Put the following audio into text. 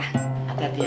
rum duluan ya